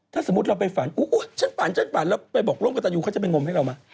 ถ้าสมมุติเราไปฝันอุ๊ยฉันฝันฉันฝันแล้วไปบอกร่วมกับตันยูเขาจะไปงมให้เรามา